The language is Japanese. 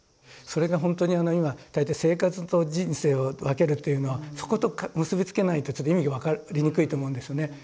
それがほんとに今大体生活と人生を分けるというのはそこと結び付けないとちょっと意味が分かりにくいと思うんですね。